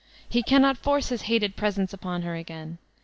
He cannot force his hated presence upon her again.